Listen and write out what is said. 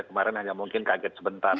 kemarin hanya mungkin kaget sebentar